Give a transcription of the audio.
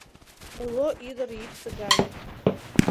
Уло ӱдыр йӱксӧ гай.